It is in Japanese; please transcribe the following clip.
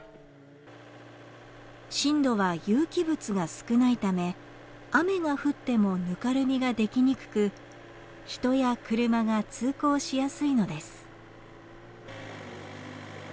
心土は有機物が少ないため雨が降ってもぬかるみができにくく人や車が通行しやすいのです。